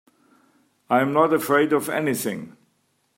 I'm not afraid of anything.